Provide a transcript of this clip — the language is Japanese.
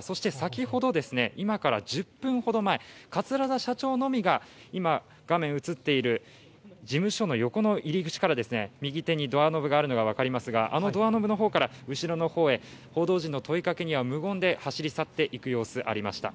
そして、先ほど今から１０分ほど前桂田社長のみが、事務所の横の入り口から右手にドアノブがあるのが分かりますが、あのドアノブの方から、後ろの方へ報道陣の問いかけには無言で走り去っていく様子がありました。